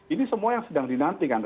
ini semua yang sedang dinantikan